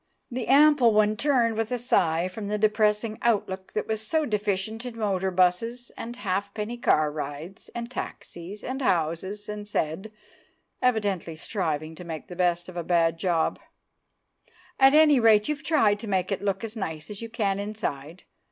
The ample one turned with a sigh from the depressing outlook that was so deficient in motor buses and halfpenny car rides and taxis and houses, and said, evidently striving to make the best of a bad job, "At any rate you've tried to make it look as nice as you can inside.